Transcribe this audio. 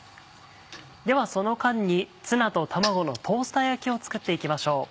ではその間にツナと卵のトースター焼きを作って行きましょう。